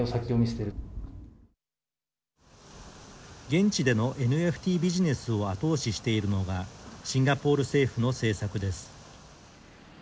現地でのＮＦＴビジネスを後押ししているのがシンガポール政府の政策です。